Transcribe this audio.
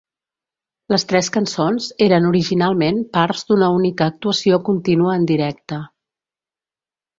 Les tres cançons eren originalment parts d'una única actuació contínua en directe.